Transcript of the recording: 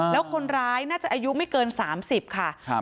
แล้วคนร้ายน่าจะอายุไม่เกินสามสิบค่ะครับ